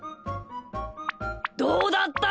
どうだった？